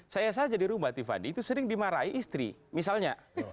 saya saja di rumah tiffandi itu sering dimarahi istri misalnya